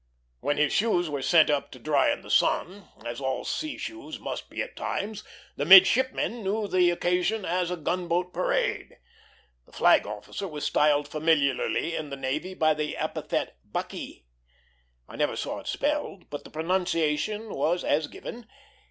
When his shoes were sent up to dry in the sun, as all sea shoes must be at times, the midshipmen knew the occasion as a gunboat parade. The flag officer was styled familiarly in the navy by the epithet Buckey; I never saw it spelled, but the pronunciation was as given.